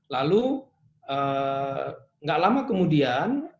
lalu nggak lama kemudian